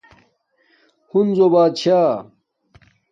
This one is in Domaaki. ہنز بات شاہ